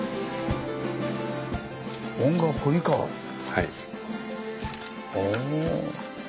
はい。